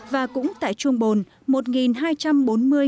và cũng tại trung bồn một hai trăm bốn mươi người con yêu tuyến